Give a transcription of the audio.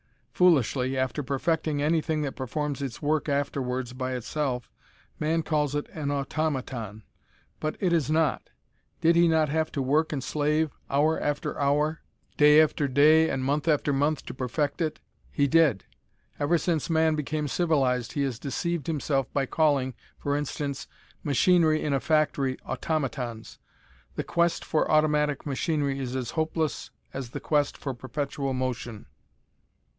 Foolishly, after perfecting anything that performs its work afterwards by itself, man calls it an automaton. But it is not! Did he not have to work and slave hour after hour, day after day and month after month to perfect it? He did! Ever since man became civilized he has deceived himself by calling, for instance, machinery in a factory, automatons. The quest for automatic machinery is as hopeless as the quest for perpetual motion!